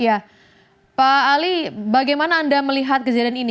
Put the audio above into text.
ya pak ali bagaimana anda melihat kejadian ini